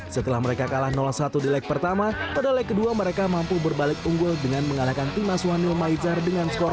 setelah mereka kalah satu di lag pertama pada lag kedua mereka mampu berbalik unggul dengan mengalahkan tim aswanyo maizar dengan skor lima dua